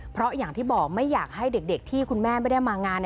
เพราะอย่างที่บอกไม่อยากให้เด็กที่คุณแม่ไม่ได้มางาน